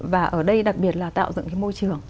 và ở đây đặc biệt là tạo dựng cái môi trường